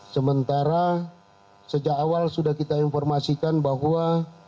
sementara sejak awal sudah kita informasikan bahwa